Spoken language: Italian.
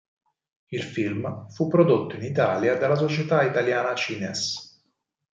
Il film fu prodotto in Italia dalla Società Italiana Cines.